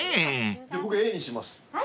僕Ａにします。